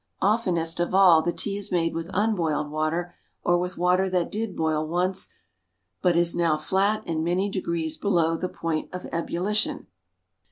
Oftenest of all, the tea is made with unboiled water, or with water that did boil once, but is now flat and many degrees below the point of ebullition.